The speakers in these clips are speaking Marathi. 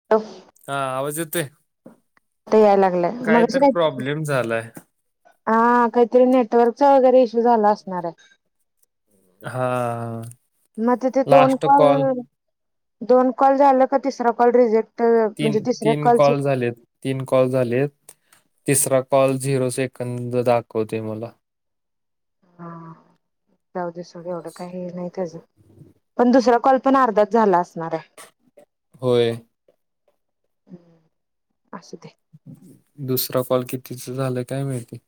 [inaudible] हा आवाज येतोय काय तर प्रॉब्लेम झालाय. हा काहीतरी नेटवर्कचा वगैरे इश्यू झाला असणारय. हां. नायतर ते दोन कॉल, दोन कॉल झालं का तिसरा कॉल रिझेक्ट तीन तीन कॉल झालेत. तीन कॉल झालेत, तिसरा कॉल झिरो सेकंद दाखवतेय मला. हा जाऊ दे सोड एवढं काय ही नाय त्याचं. पण दुसरा कॉल पण अर्धाच झाला असणाराय? होय. असू दे. दुसरा कॉल कितीचा? झालाय काय? माहिती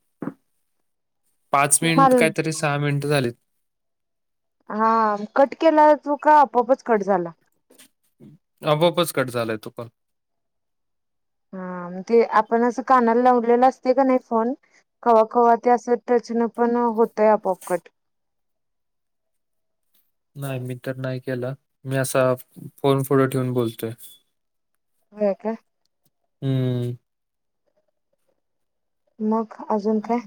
पाच मिनिट कायतरी सहा मिनिट झालीत. हा कट केला तू का? आपोआपच कट झाला. आपोआपच कट झालाय तो कॉल. हा आपण ते असं कानाला लावलेलं असतं का नाय फोन- कवा कवा त्या असं टच ना पण असं होतंय आपोआप कट. नाय मी तर नाय. केला मी असा फोन पुढं ठेवून बोलतोय. हो का? हम्म. मग अजून काय?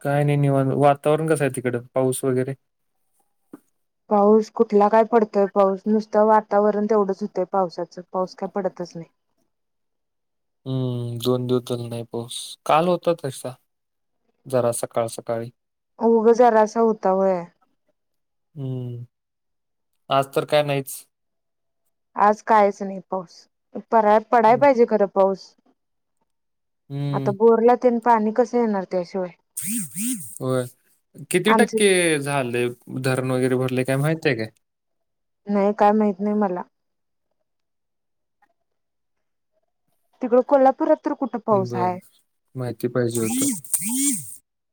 काय नाय निवांत वातावरण कसं? हाय तिकडं पाऊस वगैरे. पाऊस कुठला काय? पडतोय पाऊस नुसतं वातावरण तेवढंच होतंय पावसाचं. पाऊस काय? पडतच नाय. हंम दोन दिवस झालं नाय पाऊस काल होता तसा. जरा सकाळ सकाळी. उगं जरासा होता व्हय. हम्म आज तर काय नायचं. आज कायच नाही पाऊस पडय पडायला पाहिजे खरं पाऊस. आता बोरला तेन पाणी कसं? येणार त्याशिवाय. हो किती? टक्के झालयं धरण वगैरे भरले काय माहिती हाय का? नाय काय माहित नाय मला. तिकडं कोल्हापूरात. बरं माहिती पाहिजे हुतं.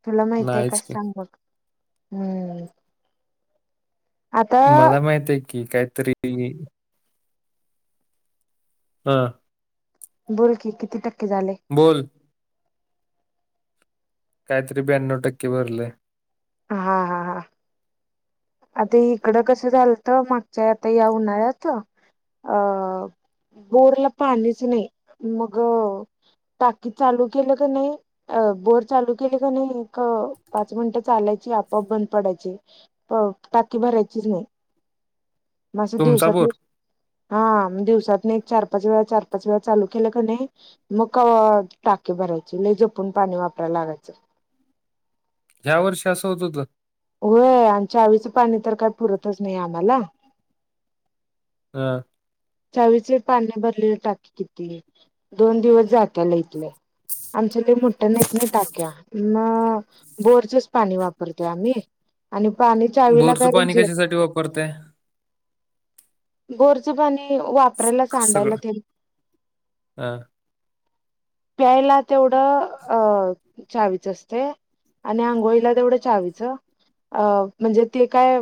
तुला माहिती हाय का? सांग मग. मला माहित आहे की काय तरी- अ. बोल की किती? टक्के झालंय. बोल. काय तरी ब्यान्नव टक्के भरलयं. हा हा हा. आता इकडं कसं झालत मागच्या आता या उन्हाळ्याच अ बोरला पाणीच नाय मग टाकी चालू केलं कनाय. अ बोर चालू केली कनाय एक पाच मिनिट चालायची आपोआप बंद पडायची. अ टाकी भरायचीच नाही मग असं दिवसातून हा दिवसात नाही एक चार, पाच वेळा, चार, पाच, वेळा चालू केलं कनाय. मग कवा टाकी भरायची लई जपून पाणी वापरायला लागायचं. ह्या वर्षी असं होत होतं. होय आणि चावीचं पाणी तर काय पुरतच नाही आम्हाला. हं. चावीचं भरलेलं पाणी किती? टाकी दोन दिवस जातं लैत लै. आमच्या काय मोठ्या नाहीत ना टाक्या मग बोरचंच पाणी वापरतो आम्ही. आणि पाणी बोरचं पाणी कशासाठी वापरतय? बोरचं पाणी वापरायला सांडायला तेन. [inaudible] प्यायला तेवढं अ, चावीच असतंय. आणि आंघोळीला तेवढं चावीचं. अ म्हणजे ते काय,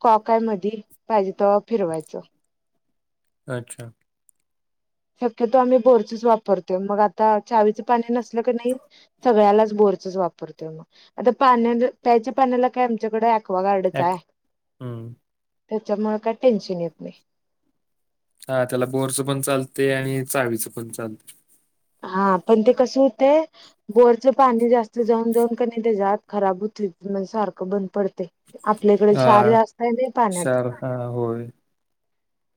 कॉक हाय मधी, पायजे तव्हा फिरवायचं. अच्छा. शक्यतो आम्ही बोरचंच वापरतोय, मग आता चावीचं पाणी नसलं नसलं क नाई, सगळ्यालाच बोरचच वापर रतो, आता प्यायच्या पाण्याला काय आमच्याकडं एक्वागार्डच हाय. त्याच्यामुळे काय टेन्शन येत नाई. हा चला बोरचं पण चालतंय आणि चावीचं पण चालतय. हा पण ते कसं हुतय,, बोरचं पाणी जास्त जाऊन जाऊन कणाय त्यज्यात खराब होतोय पुन्हा सारखं बंद पडतय. आपल्या इकडे शार जास्त आहे नाई पाण्यात.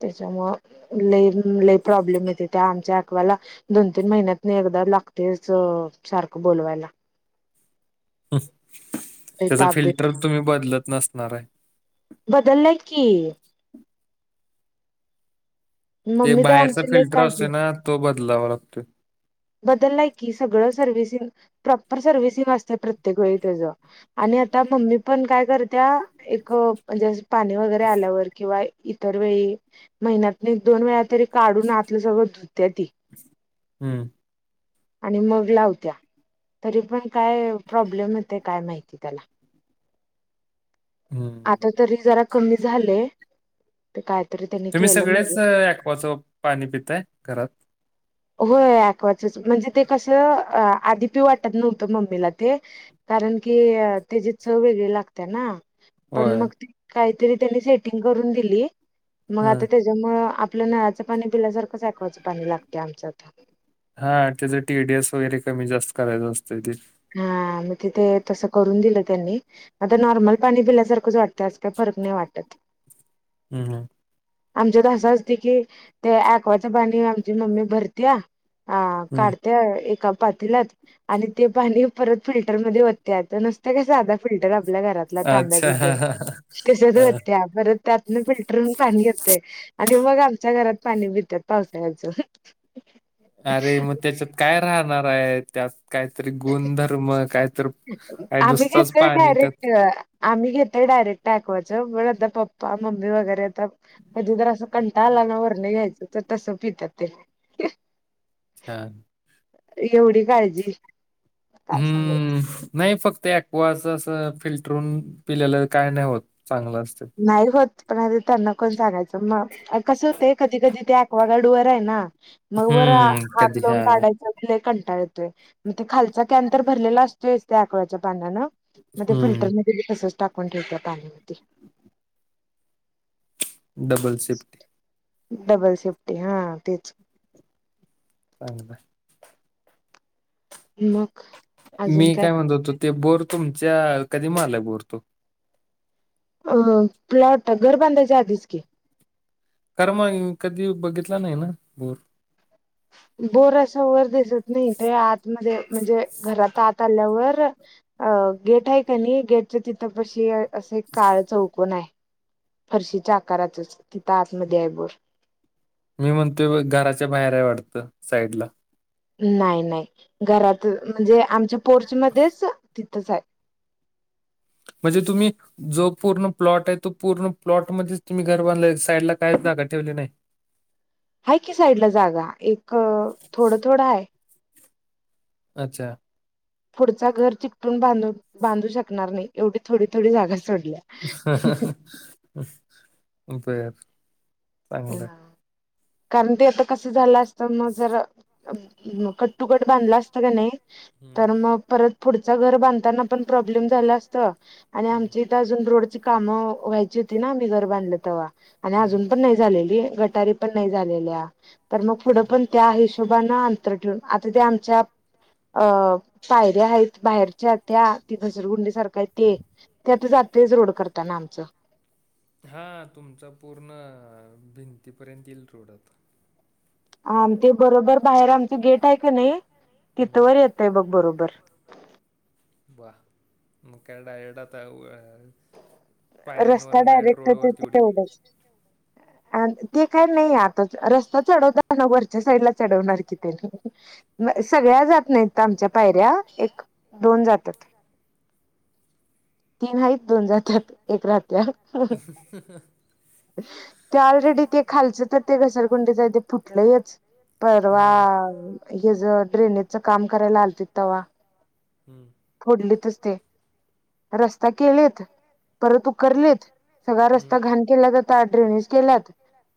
त्याच्यामुळं लई लई प्रॉब्लेम येतय त्या आमच्या अकवा्याला, दोन तीन महिन्यात नं एकदा लागतयच सारखं बोलवायला. हं, त्यचा फिल्टर तुम्ही बदलत नसणाराय. बदललय की. ते बाहेरचा फिल्टर असतोय ना तो बदलावा लागतोय. बदललाय की सारखं सर्विसिंग, प्रॉपर सर्विसिंग असतंय प्रत्येक वेळी त्यज. आणि आता मम्मी पण काय करत्या, एक म्हणजे असं पाणी वगैरे आल्यावर किंवा इतर वेळी, महिन्यातन एक दोन वेळा तरी काढून आतलं सगळं धुत्या ति. हम्म. आणि मग लावत्या, तरी पण काय प्रॉब्लेम येतय काय माहिती त्याला. हम्म. आता तरी जरा कमी झालंय. ते काय तरी तुम्ही सगळेच ऐकवाचं पाणी पिताय घरात. होय एकवाचच, म्हणजे ते कसं आधी पिऊ वाटत नव्हतं मम्मीला ते कारण की त्याची चव वेगळी लागत्या ना. पण मग काय तरी त्यांनी सेटिंग करून दिली, मग आता त्यामुळं, आपलं नळाचं पाणी पिल्यासारखंच एक्वाच पाणी लागतंय आमच्यात. हा, त्याच टीडीएस वगैरे कमी जास्त करायचं असतंय ते. हा, मग तिथे तसं करून दिलं त्यांनी, आता नॉर्मल पाणी पिल्यासारखंच वाटत त्यात काय फरक नाई वाटत. हं हं. आमच्यात तर असं असतय की, ते एक्वाचं पाणी आमची मम्मी भरत्या हा काढत्या एका पातेल्यात, आणि ते पाणी परत फिल्टर मध्ये वतत्या, आपला नसतोय का साधा फिल्टर आप आपल्या घरातला तांब्या देते, त्याच्यात वतत्या परत त्यातनं फिल्टर हुन पाणी येतंय. आणि मग आमच्या घरात पाणी पित्यात पावसाळ्याचं. अरे मग त्याच्यात काय राहणार आहे, त्यात काहीतरी गुणधर्म कायतर आम्ही घेतोय डायरेक्ट आम्ही घेतय डायरेक्ट ऐकवाचं, पण आता पप्पा मम्मी वगैरे आता कधी जर आस कंटाळा आला ना वरण घ्यायचं तर तसं पित्यात ते. अ. एवढी काळजी, काय सांगु. नाय फक्त एक्वाचं आस फिल्टर होऊन पिलेलं असं काय नाय होत चांगलं असतं. नाही होत पण आता त्यांना कोण सांगायचं मग कसं होतय कधी कधी ते एक्वागार्ड वर हाय ना वर हात लावून काढायचं कंटाळा येतोय, मग खालचा कॅन तर भरलेला असतोय त्या एक्वा च्या पाण्याने मग ते फिल्टर मध्ये मी तसंच टाकून ठेवते पाणी म ते. Double Swift. डबल स्विफ्ट हा तेच. चांगलं हाय. मग. मी काय म्हणतो तो ते बोर तुमच्या कधी मारलाय बोर तू? अ फ्लॅट घर बांधायच्या आधीच की. तर मग कधी बघितला नाही ना बोर. बोर आशा वर दिसत नाही ते आत मध्ये म्हणजे घरात आत आल्यावर अ गेट हाय कणी गेटच्या तिथं पशी हाय असं एक काळ चौकोन आय फरशीच्या आकारातच तिथ आत मध्ये हाय बोर. मी म्हणतोय बघ घराच्या बाहेर हाय वाटतं साईडला. नाही नाही घरातच म्हणजे आमच्या पोर्च मध्येच तिथेच हाय. म्हणजे तुम्ही जो पूर्ण फ्लोट आहे तो पूर्ण प्लॉटमध्येच तुम्ही घर बांधलाय साईडला काही जागा ठेवली नाही? आहे की साईटला जागा एक थोड थोडं आहे. अच्छा. पुढचा घर चिटकून बांधू बांधू शकणार नाही एवढी थोडी थोडी जागा सोडल्या. बर चांगलं हाय. कारण ते आत्ता कसं झालं असतं म जर ह कट टू कट बांधलं असतं कणी तर मग परत पुढचं घर बांधताना पण प्रॉब्लेम झालं असतं आणि आमच्या इथे अजून रोड ची काम व्हायची होती ना आम्ही घर बांधलं तवा आणि अजून पण नाही तुमलेली गटारी पण नाही झालेल्या तर मग पुढे पण त्या हिश मग बाणा अंतर ठेवून आता ते आमच्यात अ पायऱ्या आहेत बाहेरच्या त्या तिथेच घसर गुंडी सारखं हाय ते ते आता जातंयच रोड करताना आमचं. हा तुमचं पूर्ण भिंतीपर्यंत येईल रोडं आत्ता. आन ते बरोबर बाहेर आमचं गेट आहे कणी तिथवर येतंय बघ बरोबर. बर मग काय डायरेक्ट आता व रस्ता डायरेक्ट तेवढच [inaudible] आता ते काही नाही आता रस्ता चढवताना वरच्या साईडला चढवणार की ते मग सगळ्या जात नाहीत आमच्या पायऱ्या एक दोन जात्यात. तीन हाईत दोन जात्या एक राहत्या. ती ऑलरेडी ते खालचं तर ते घसरगुंडीच हाय ते फुटलयच, परवा हेच ड्रेनेजचं काम करायला आलतीत तवा. हम्म. फोडलीतच ते. रस्ता केलेत, परत उखरलेत. सगळा रस्ता घाण केल्यात आता ड्रेनेज केल्यात.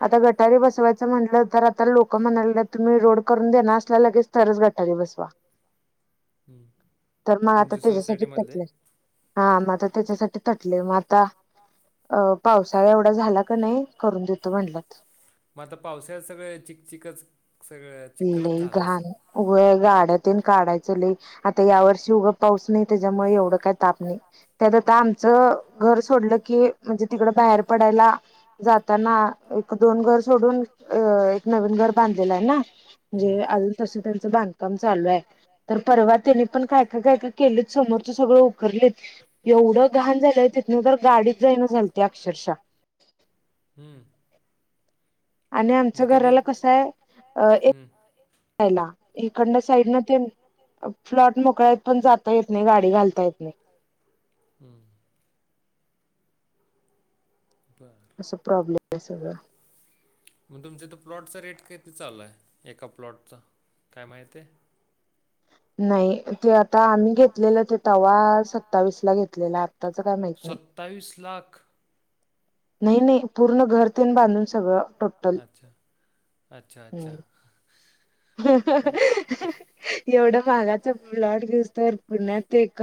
आता गटारी बसवायचं म्हणलं तर आता लोकं म्हणाय लागलेत तुम्ही रोड करून देणार असला लगेच- तरचं गटारी बसवा तर मग आता त्याच्यासाठी थटलय. हा मग आता त्याच्यासाठी थटलय मग आता अ पावसाळा एवढा झाला का नाय करून देतो म्हटल्यात. मग आता पावसाळ्यात सगळं चिकचिकच सगळं चिक लच झाला असल. होय गाड्या तीन काढायचं लय आत्ता यावर्षी उग पाऊस नाही त्याच्यामुळे एवढं काय? ताप नाही त्यात आता आमचं घर सोडलं की. म्हणजे तिकडं बाहेर पडायला जाताना एक दोन घर सोडून अ नवीन घर बांधलेलं आहे ना. म्हणजे अजून तसं त्यांच बांधकाम चालू आहे तर परवा त्यांनी पण काय? का काय? का केलं. समोरच सगळं उकरलेत एवढं घाण झालंय तिथन तर गाडीच जायनं झालते अक्षरशः हम्म. आणि आमच घराला कसं आहे एक इकडंन साईडला ते प्लॉट मोकळा आहे पण जाता येत नाही गाडी घालता येत. हम्म. असं प्रॉब्लेम आहे सगळं. मग तुमच्या इथं प्लॉटचा रेट किती? चाललाय एका प्लॉटचा. काय? माहितीये. नाही ते आता आम्ही घेतलेलं ते तवा सत्तावीस ला घेतलेला आत्ताच काय? माहित नाही. सत्तावीस लाख! नाही नाही पूर्ण घर तेन बांधून सगळं टोटल अच्छा. [inaudible] एवढं महागाच प्लॉट घेवस तर पुण्यात एक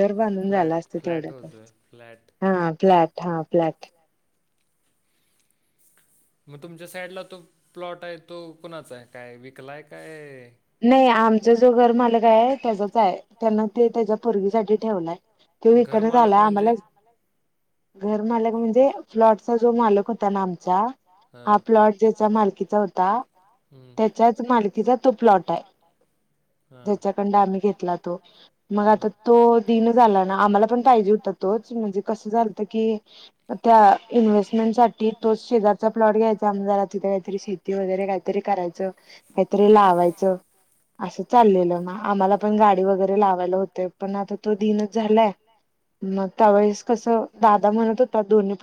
घर बांधून झालं असतं. तू तेवढ्यात पर. फ्लॅट. हा फ्लॅट हा फ्लॅट. मग तुमच्या साईडला तो प्लॉट आहे तो कुणाचा? आहे काय विकलाय काय? नाही आमचा जो घर मालक आहे त्याचाच आहे. त्यांना ते त्याच्या पोरगीसाठी ठेवलाय तो विकना झालाय आम्हाला घरमालक म्हणजे प्लॉटचा जो मालक होता ना आमचा हा प्लॉट ज्याचा मालकीचा होता. त्याच्याच मालकीचा तो प्लॉट आहे. त्याच्याकडन आम्ही घेतला तो मग आता तो दिन झाला ना आम्हाला पण पाहिजे होता. तोच म्हणजे कसं झालत की त्या इन्व्हे यांसाठी तोच शेजारचा प्लॉट घ्यायचा. आणि जरा तिथे काहीतरी शेती वगैरे काहीतरी करायचं. काहीतरी लावायचं. असं चाललेलं म आम्हाला पण गाडी वगैरे लावायला होते. पण आता तो दिनच झालाय. मग त्यावेेळेस कसं दादा म्हणत होता दोन्ही